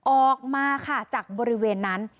ออกมาค่ะจากบริเวณนั้น